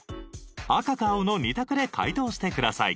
赤か青の２択で解答してください。